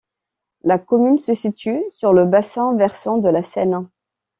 La commune se situe sur le bassin versant de la Seine.